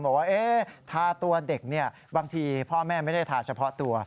บอกว่าทาตัวเด็กบางทีพ่อแม่ไม่ได้ทาเฉพาะตัว